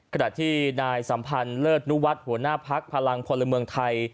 ขณะที่นายสัมพันธ์เลิศนุวัฒน์หัวหน้าพักพลังพลเมืองไทย